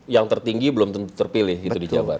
yang tertinggi belum terpilih gitu di jabar